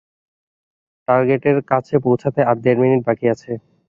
টার্গেটর কাছে পৌঁছাতে আর দেড় মিনিট বাকি আছে।